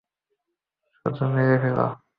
শুধু মেরে ফেলো।